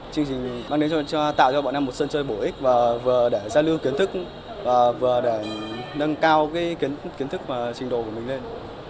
chương trình mang đến cho tạo cho bọn em một sân chơi bổ ích và vừa để gia lưu kiến thức và vừa để nâng cao kiến thức và trình độ của mình lên